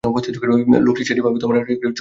লোকটি সেটি বাঁ হাতে নিয়ে দাঁড়িয়ে আছে চুপচাপ।